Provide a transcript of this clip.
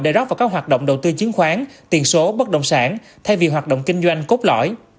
để rót vào các hoạt động đầu tư chứng khoán tiền số bất động sản thay vì hoạt động kinh doanh cốt lõi